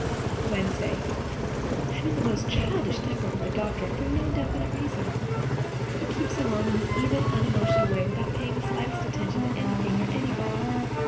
Wednesday. I am in the most childish temper with the doctor, and for no very definite reason. He keeps along his even, unemotional way without paying the slightest attention to anything or anybody.